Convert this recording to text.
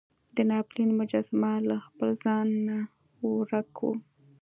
د ناپلیون مجسمه له خپل ځای نه ورک وه.